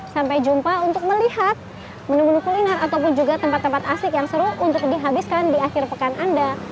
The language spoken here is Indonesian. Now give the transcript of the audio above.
sampai jumpa untuk melihat menu menu kuliner ataupun juga tempat tempat asik yang seru untuk dihabiskan di akhir pekan anda